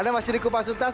ada masih di kupas dutas